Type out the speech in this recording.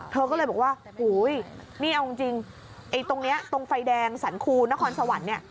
เธอก็เลยบอกว่านี่เอาจริงตรงนี้ตรงไฟแดงสันคูณนครสวรรค์